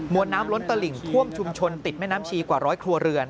น้ำล้นตลิ่งท่วมชุมชนติดแม่น้ำชีกว่าร้อยครัวเรือน